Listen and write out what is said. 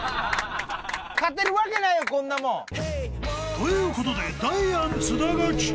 ［ということでダイアン］